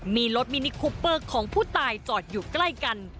มีรถมินิคูเปอร์ของผู้ตายจอดอยู่ใกล้กัน